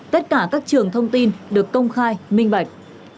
tất cả các trường thông tin được công khai minh bạch